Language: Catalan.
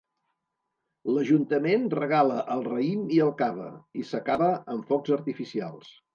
L'Ajuntament regala el raïm i el cava i s'acaba amb focs artificials.